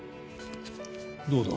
どうだ？